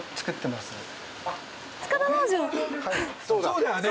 そうだよね。